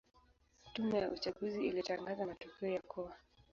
Tume ya uchaguzi ilitangaza matokeo ya kuwa